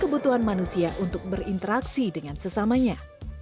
dan kebutuhan manusia untuk berinteraksi dengan sesamanya